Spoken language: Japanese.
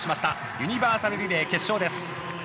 ユニバーサルリレー決勝です。